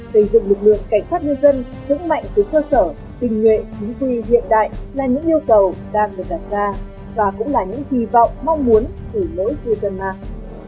xây dựng lực lượng cảnh sát nhân dân hướng mạnh từ cơ sở tình nghệ chính quy hiện đại là những yêu cầu đang được đặt ra và cũng là những kỳ vọng mong muốn của mỗi người dân mạng